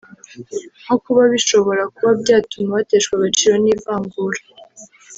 nko kuba bishobora kuba byatuma bateshwa agaciro n’ivangura